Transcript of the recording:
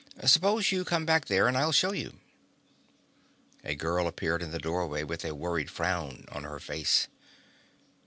Suppose you come back there and I'll show you." A girl appeared in the doorway with a worried frown on her face.